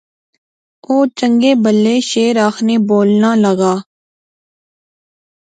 او چنگے بھلے شعر آخنے بولنا لاغا